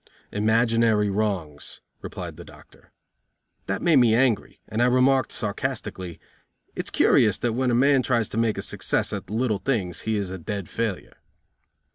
"Imaginary wrongs," replied the doctor. That made me angry, and I remarked, sarcastically: "It is curious that when a man tries to make a success at little things he is a dead failure."